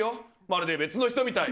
まるで別の人みたい。